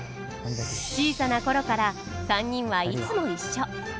小さな頃から３人はいつも一緒。